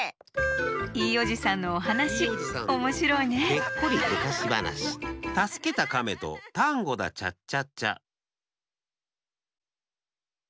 いいおじさんのおはなしおもしろいねたすけたかめとタンゴだチャッチャッチャッ。